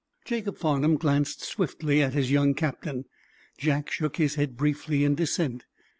Jacob Farnum glanced swiftly at his young captain. Jack shook his head briefly in dissent.